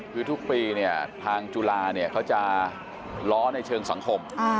คือทุกปีทางจุลาเขาจะล้าในเชิงสังคม